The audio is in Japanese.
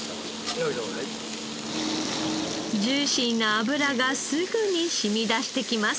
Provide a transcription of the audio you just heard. ジューシーな脂がすぐに染み出してきます。